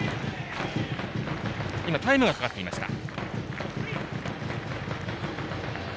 今、タイムがかかっていました。